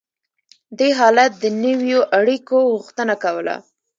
دې حالت د نویو اړیکو غوښتنه کوله.